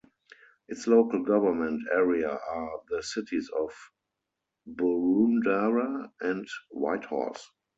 Its local government area are the Cities of Boroondara and Whitehorse.